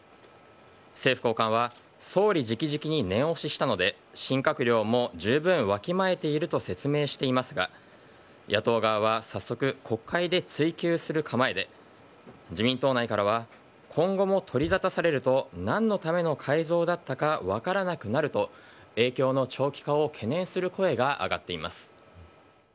政府高官は総理直々に念押ししたので新閣僚もじゅうぶんわきまえていると説明していますが野党側は早速国会で追及する構えで自民党内からは今後も取りざたされると何のための改造だったか分からなくなると影響の長期化を懸念する声が上がっています。